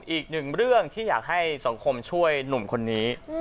อีกหนึ่งเรื่องที่อยากให้สังคมช่วยหนุ่มคนนี้